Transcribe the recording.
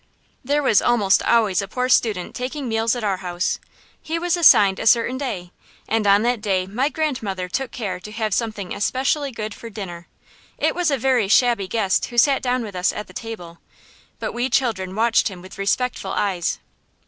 There was almost always a poor student taking meals at our house. He was assigned a certain day, and on that day my grandmother took care to have something especially good for dinner. It was a very shabby guest who sat down with us at table, but we children watched him with respectful eyes.